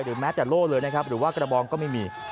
หรือแม้แต่โล่เลยหรือว่ากระบองก็ไม่มี